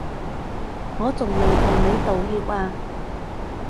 我仲未同你道歉啊